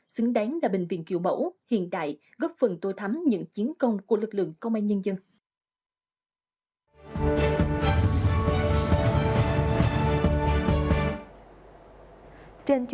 xứng đáng là bệnh viện kiểu mẫu hiện đại góp phần tô thắm những chiến công của lực lượng công an nhân dân